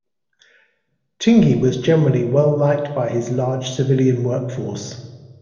Tingey was generally well liked by his large civilian workforce.